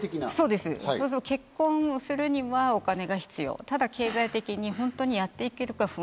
結婚するにはお金が必要、ただ、経済的に本当にやっていけるか不安。